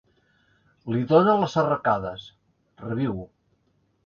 Li dóna les arracades: reviu.